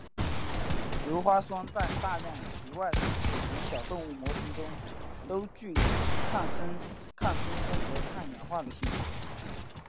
鞣花酸在大量体外组织及小动物模型中都具有抗增生和抗氧化的性质。